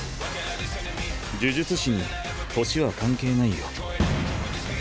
呪術師に年は関係ないよ。